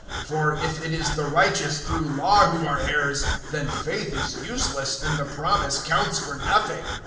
004:014 For if it is the righteous through Law who are heirs, then faith is useless and the promise counts for nothing.